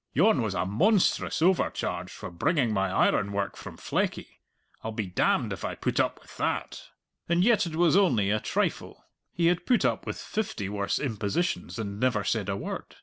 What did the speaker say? "Yon was a monstrous overcharge for bringing my ironwork from Fleckie. I'll be damned if I put up with that!" And yet it was only a trifle. He had put up with fifty worse impositions and never said a word.